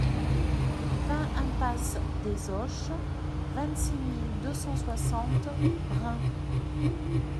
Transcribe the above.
vingt impasse des Oches, vingt-six mille deux cent soixante Bren